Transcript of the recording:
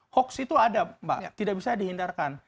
hoax itu ada mbak tidak bisa dihindarkan